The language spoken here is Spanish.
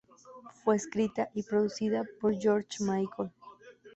Fue escrita y producida por George Michael.